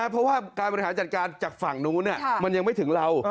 เพราะว่าการบริหารจัดการจากฝั่งนู้นมันยังไม่ถึงเรา